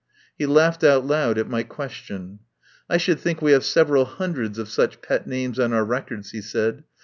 He laughed out loud at my question. "I should think we have several hundreds of such pet names on our records," he said.